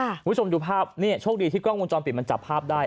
คุณผู้ชมดูภาพนี่โชคดีที่กล้องวงจรปิดมันจับภาพได้